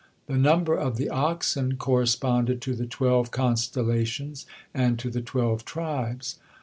The number of the oxen corresponded to the twelve constellations, and to the twelve tribes.